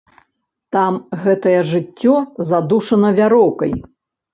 Там гэтае жыццё задушана вяроўкай.